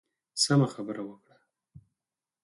سمه خبره وکړه.